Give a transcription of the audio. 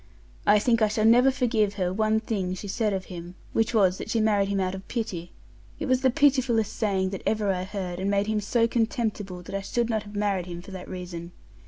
I think I shall never forgive her one thing she said of him, which was that she married him out of pity; it was the pitifullest saying that ever I heard, and made him so contemptible that I should not have married him for that reason.